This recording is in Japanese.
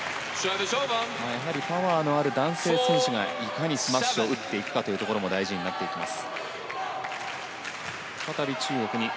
やはりパワーのある男性選手がいかにスマッシュを打っていくかというところも大事になっていきます。